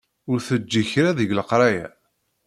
Ur teǧǧi kra deg leqraya.